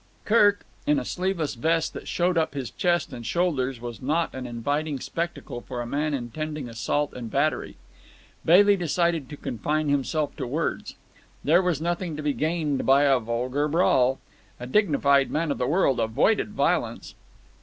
Kirk, in a sleeveless vest that showed up his chest and shoulders was not an inviting spectacle for a man intending assault and battery. Bailey decided to confine himself to words. There was nothing to be gained by a vulgar brawl. A dignified man of the world avoided violence.